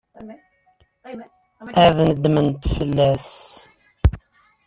Ad nedment fell-as.